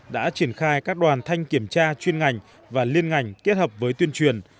đã triển khai các đoàn thanh kiểm tra chuyên ngành và liên ngành kết hợp với tuyên truyền